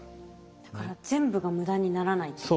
だから全部が無駄にならないってことですね。